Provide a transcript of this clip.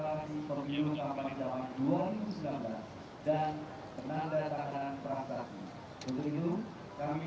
untuk itu kami meminta